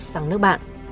sang nước bạn